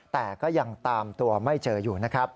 แต่ก็ยังตามตัวไม่เจออยู่